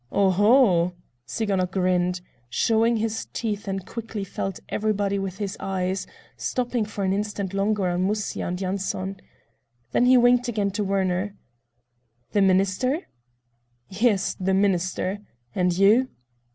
"Oho!" Tsiganok grinned, showing his teeth, and quickly felt everybody with his eyes, stopping for an instant longer on Musya and Yanson. Then he winked again to Werner. "The Minister?" "Yes, the Minister. And you?"